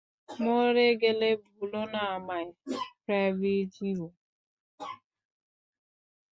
মরে গেলে ভুলো না আমায়, ফ্যাব্রিজিও।